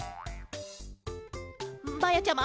まやちゃま？